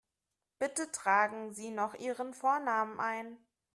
Bitte tragen Sie noch Ihren Vornamen ein.